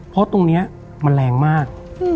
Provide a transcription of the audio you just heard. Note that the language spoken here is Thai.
เพราะตรงนี้มันแรงมาก